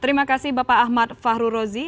terima kasih bapak ahmad fahrurozi